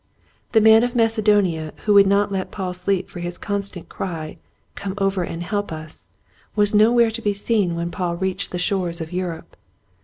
The man of Macedonia who would not let Paul sleep for his constant cry, " Come over and help us," was nowhere to be seen when Paul reached the shores of Europe.